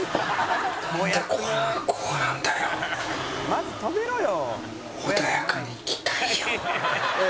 「まず止めろよ」